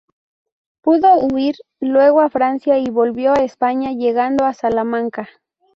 Pudo huir luego a Francia y volvió a España, llegando a Salamanca.